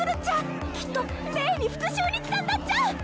きっとレイに復讐に来たんだっちゃ！